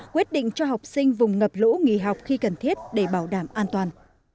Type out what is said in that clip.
quyết định cho học sinh vùng ngập lũ nghỉ học khi cần thiết để bảo đảm an toàn